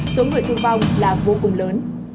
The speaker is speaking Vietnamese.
số người thương vong là vô cùng lớn